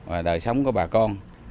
và đời sống của bà con